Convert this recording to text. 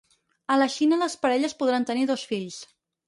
A la Xina les parelles podran tenir dos fills.